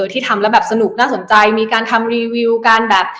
ที่ทำแล้วแบบสนุกน่าสนใจมีการทำรีวิวการแบบ